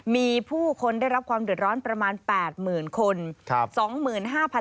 มีผู้คนได้รับความเดือดร้อนประมาณ๘๐๐๐คน